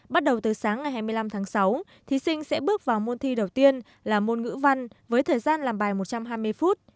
bắt đầu từ sáng ngày hai mươi năm tháng sáu thí sinh sẽ bước vào môn thi đầu tiên là môn ngữ văn với thời gian làm bài một trăm hai mươi phút